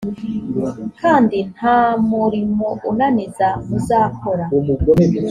kandi nta murimo unaniza muzakora.